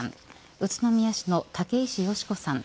宇都宮市の竹石佳子さん。